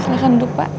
silakan duduk pak